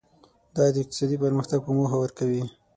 دا د اقتصادي پرمختګ په موخه ورکوي.